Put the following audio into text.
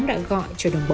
đã gọi cho đồng bộ